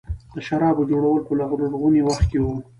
د شرابو جوړول په لرغوني وخت کې وو